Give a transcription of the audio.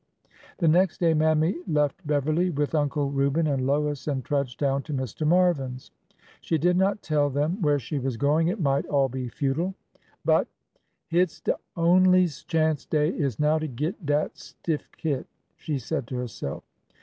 The next day Mammy left Beverly with Uncle Reuben and Lois, and trudged down to Mr. Marvin's. She did not tell them where she was going — it might all be futile : but —" Hit 's de onlies' chance dey is now to git dat stiff kit," she said to herself.